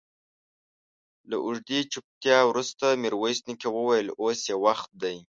له اوږدې چوپتيا وروسته ميرويس نيکه وويل: اوس يې وخت دی.